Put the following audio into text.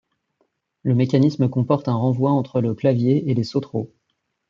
Le mécanisme comporte un renvoi entre le clavier et les sautereaux.